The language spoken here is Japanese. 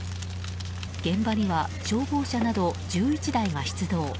現場には消防車など１１台が出動。